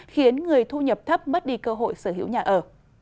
khiến người thu nhập thấp mất đi cơ hội sở hữu nhà ở